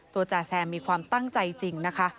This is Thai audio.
จ่าแซมมีความตั้งใจจริงนะคะ